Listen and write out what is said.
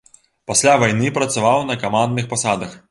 Пасля вайны працаваў на камандных пасадах.